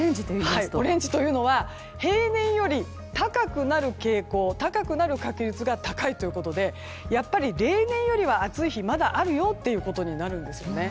オレンジというのは平年より高くなる傾向高くなる確率が高いということでやっぱり例年よりは暑い日がまだあるよとなるんですね。